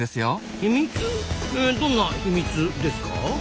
えどんな秘密ですか？